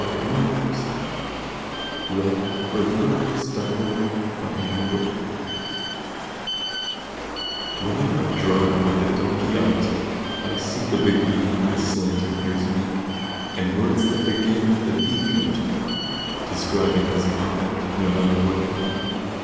[Illustration: THE DONKEY'S EARS] Whenever a drive with the donkey I take, I see the big V that his slanting ears make, And words that begin with a V come to mind, Describing his conduct, no matter what kind.